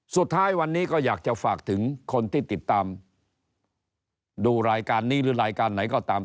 สุดท้ายวันนี้ก็อยากจะฝากถึงคนที่ติดตามดูรายการนี้หรือรายการไหนก็ตาม